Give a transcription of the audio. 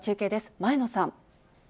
前野さん。